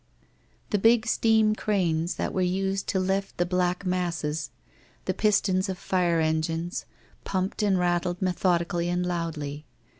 The big steam cranes that were used to lift the black masses, the pistons of fire engines, pumped and rattled methodically and loudly.